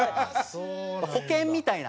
保険みたいな。